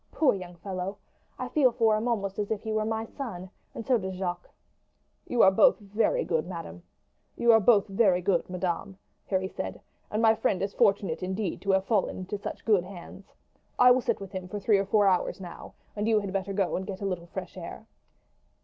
Poor young fellow! I feel for him almost as if he were my son, and so does Jacques." "You are both very good, madame," Harry said, "and my friend is fortunate indeed to have fallen into such good hands. I will sit with him for three or four hours now, and you had better go and get a little fresh air."